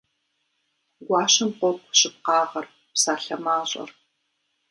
Гуащэм къокӀу щыпкъагъэр, псалъэ мащӀэр.